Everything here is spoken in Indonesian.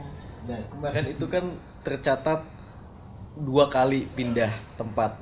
nah kemarin itu kan tercatat dua kali pindah tempat